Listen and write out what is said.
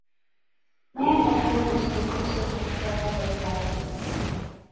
میں اپنے بزرگوں سے مشورہ کرتا ہوں۔